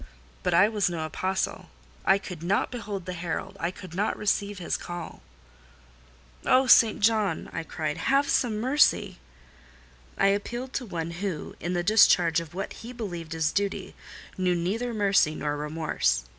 But I was no apostle,—I could not behold the herald,—I could not receive his call. "Oh, St. John!" I cried, "have some mercy!" I appealed to one who, in the discharge of what he believed his duty, knew neither mercy nor remorse.